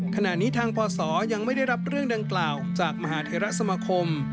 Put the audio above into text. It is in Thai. ขณะนี้ทางพศยังไม่ได้รับเรื่องดังกล่าวจากมหาเทราสมาคม